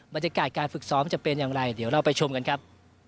บรรยากาศการฝึกซ้อมจะเป็นอย่างไรเดี๋ยวเราไปชมกันครับ